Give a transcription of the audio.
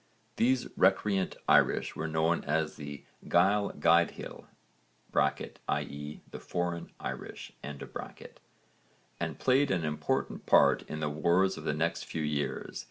These recreant Irish were known as the Gaill Gaedhil (i.e. the foreign Irish), and played an important part in the wars of the next few years.